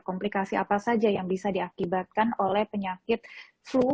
komplikasi apa saja yang bisa diakibatkan oleh penyakit flu